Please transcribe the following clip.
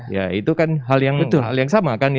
ya itu kan hal yang sama kan